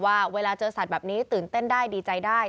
ว่าเวลาเจอสัตว์แบบนี้ตื่นเต้นได้ดีใจได้